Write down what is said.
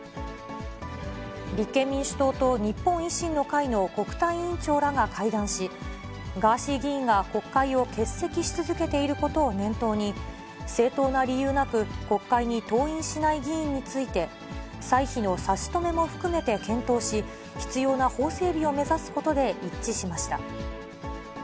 立憲民主党と日本維新の会の国対委員長らが会談し、ガーシー議員が国会を欠席し続けていることを念頭に、正当な理由なく国会に登院しない議員について、歳費の差し止めも含めて、検討し、必要な法整備を目指すことで一致しました。